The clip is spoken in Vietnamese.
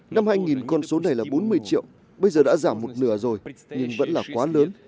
năm hai nghìn con số này là bốn mươi triệu bây giờ đã giảm một nửa rồi nhưng vẫn là quá lớn